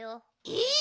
えっ！